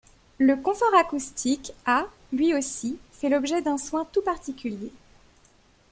Le confort acoustique a, lui aussi, fait l'objet d'un soin tout particulier.